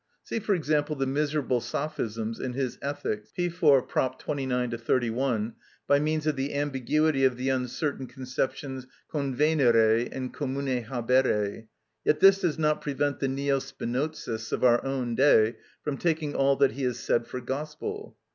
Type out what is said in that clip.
See, for example, the miserable sophisms in his "Ethics," P. iv., prop. 29 31, by means of the ambiguity of the uncertain conceptions convenire and commune habere. Yet this does not prevent the neo Spinozists of our own day from taking all that he has said for gospel.